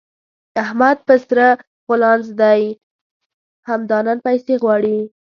احمد په سره غولانځ دی؛ همدا نن پيسې غواړي.